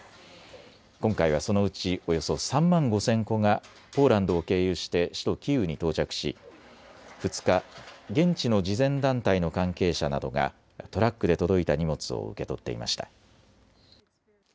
今回はそのうちおよそ３万５０００個がポーランドを経由して首都キーウに到着し２日、現地の慈善団体の関係者などがトラックで届いた荷物を受け取っていました。